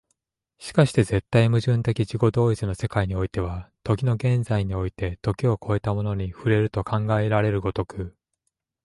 而して絶対矛盾的自己同一の世界においては、時の現在において時を越えたものに触れると考えられる如く、